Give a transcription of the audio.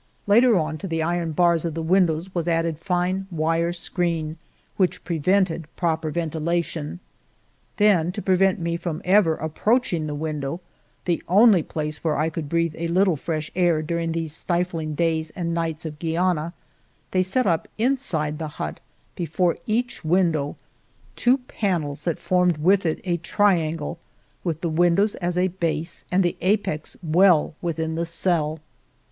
Later on, to the iron bars of the windows was added fine wire screen, which prevented proper ventilation. Then, to prevent me from ever ap proaching the window, the only place where I could breathe a little fresh air during those stifling days and nights of Guiana, they set up inside the hut before each window two panels that formed 252 FIVE YEARS OF MY LIFE with it a triangle, with the windows as a base, and the apex well within the cell.